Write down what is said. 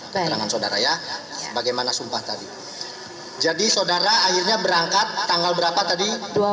keterangan saudara ya bagaimana sumpah tadi jadi saudara akhirnya berangkat tanggal berapa tadi